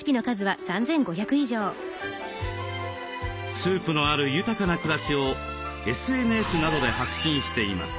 スープのある豊かな暮らしをＳＮＳなどで発信しています。